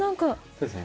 そうですね